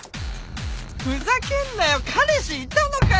ふざけんなよ彼氏いたのかよ